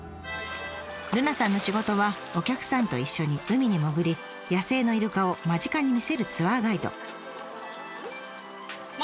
瑠奈さんの仕事はお客さんと一緒に海に潜り野生のイルカを間近に見せるツアーガイド。